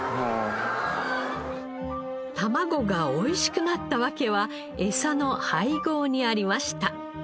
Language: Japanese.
卵がおいしくなった訳はエサの配合にありました。